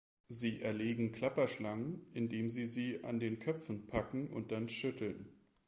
Sie erlegen Klapperschlangen, indem sie sie an den Köpfen packen und dann schütteln.